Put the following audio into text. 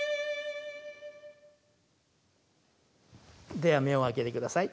では目を開けて下さい。